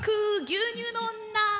牛乳の女。